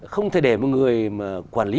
không thể để một người quản lý